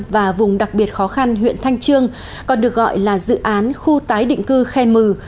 và vùng đặc biệt khó khăn huyện thanh trương còn được gọi là dự án khu tái định cư khe mừ